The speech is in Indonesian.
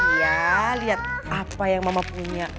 ya lihat apa yang mama punya